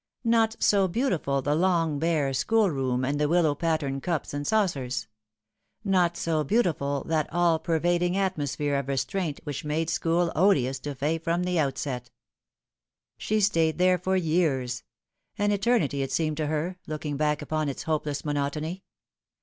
Not so beautiful the long, bare schoolroom and the willow pattern cups and saucers. Not so beautiful that all pervading atmosphere of restraint which made school odious to Fay from the outset. She stayed there for years an eternity it seemed to her, looking back upon its hopeless monotony.